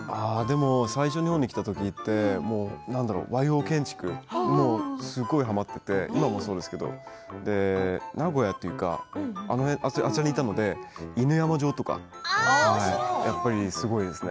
最初、日本に来た時って和洋建築すごいはまっていて今もはまっているんですけど名古屋というかあちらにいたので犬山城とかやっぱりすごいですね。